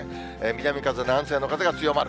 南風、南西の風が強まる。